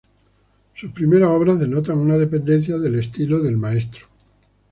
Sus primeras obras denotan una dependencia del estilo del maestro.